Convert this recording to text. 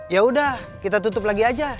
ya udah kita tutup lagi aja